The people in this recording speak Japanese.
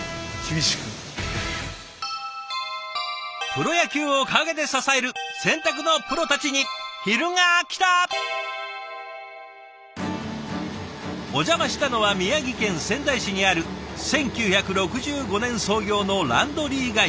プロ野球を陰で支えるお邪魔したのは宮城県仙台市にある１９６５年創業のランドリー会社。